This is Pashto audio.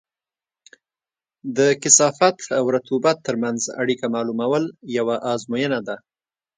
د کثافت او رطوبت ترمنځ اړیکه معلومول یوه ازموینه ده